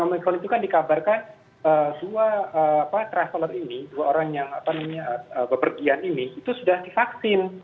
varian omikron itu kan dikabarkan dua trasteller ini dua orang yang apa namanya bepergian ini itu sudah divaksin